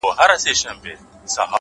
• نه طبیب نه عزراییل مو خواته راغی ,